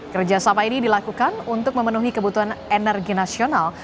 kerjasama ini dilakukan untuk memenuhi kebutuhan energi nasional